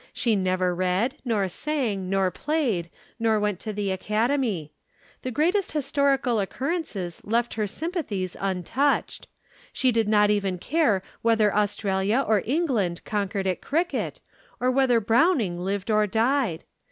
She never read, nor sang, nor played, nor went to the Academy. The greatest historical occurrences left her sympathies untouched. She did not even care whether Australia or England conquered at cricket, or whether Browning lived or died.